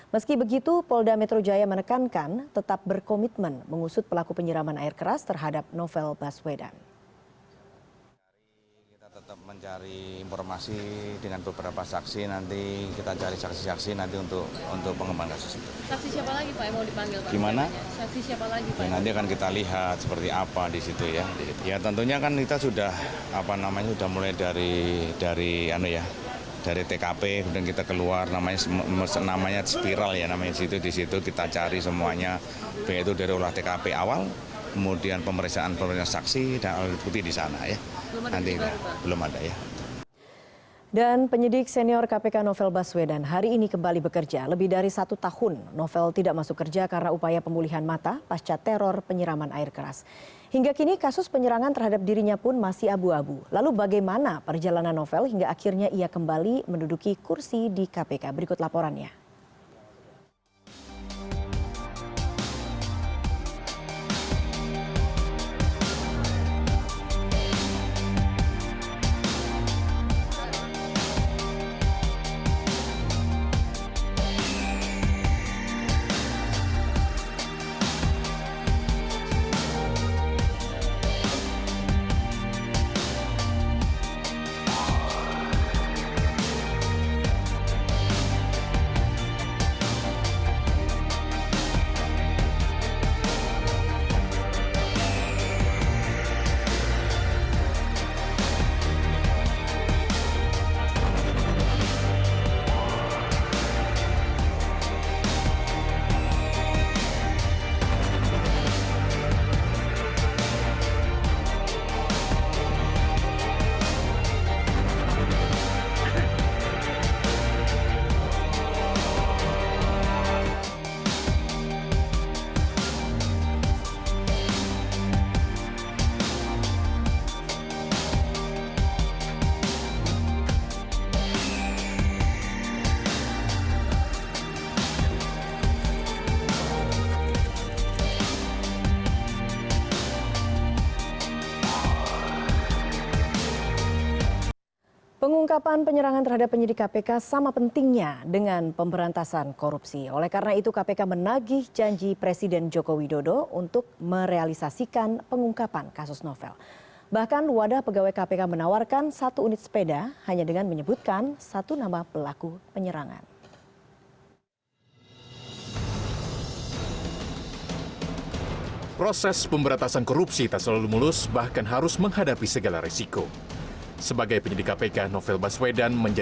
meski begitu polda metro jaya menekankan tetap berkomitmen mengusut pelaku penyeraman air keras terhadap novel baswedan